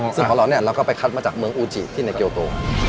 ซึ่งของเราเนี่ยเราก็ไปคัดมาจากเมืองอูจิที่ในเกลโต